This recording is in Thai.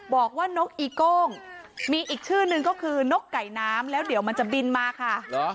บอกว่านกอีโก้งมีอีกชื่อนึงก็คือนกไก่น้ำแล้วเดี๋ยวมันจะบินมาค่ะ